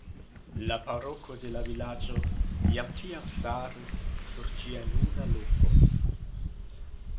La paroko de la vilaĝo jam tiam staris sur ĝia nuna loko.